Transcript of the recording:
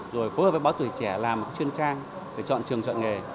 rồi phối hợp với báo tuổi trẻ làm chuyên trang để chọn trường chọn nghề